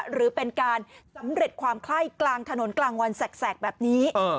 หรือเป็นการสำเร็จความไข้กลางถนนกลางวันแสกแบบนี้